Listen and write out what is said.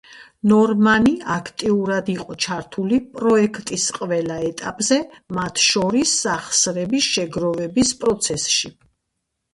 ნორმანი აქტიურად იყო ჩართული პროექტის ყველა ეტაპზე, მათ შორის, სახსრების შეგროვების პროცესში.